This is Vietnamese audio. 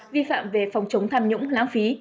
vi phạm về phòng chống tham nhũng láng phí